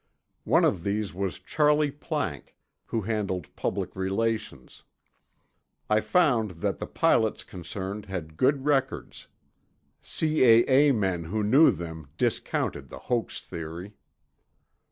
One of these was Charley Planck, who handled public relations. I found that the pilots concerned had good records; C.A.A. men who knew them discounted the hoax theory.